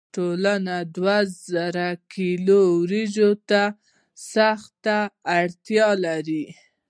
ټولنه دوه زره کیلو وریجو ته سخته اړتیا لري.